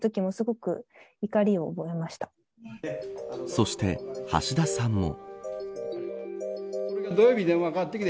そして橋田さんも。